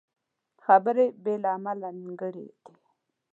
خبرې بې له عمله نیمګړې دي